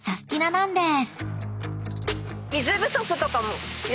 なんです］